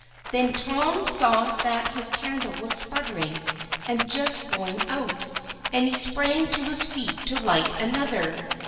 Then Tom saw that his candle was sputtering and just going out, and he sprang to his feet to light another.